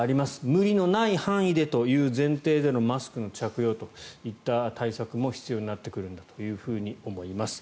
無理のない範囲でという前提でのマスクの着用という対策も必要になってくるんだと思います。